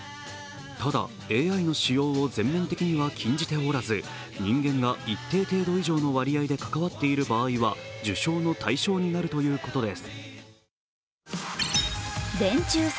ただＡＩの使用を全面的には禁じておらず、人間が一定程度以上の割合で関わっている場合は授賞の対象になるということです。